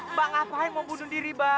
mbak ngapain mau bunuh diri mbak